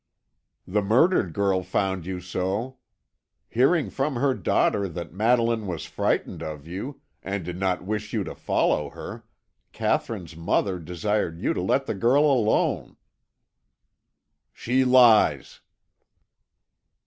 "The murdered girl found you so. Hearing from her daughter that Madeline was frightened of you, and did not wish you to follow her, Katherine's mother desired you to let the girl alone." "She lies."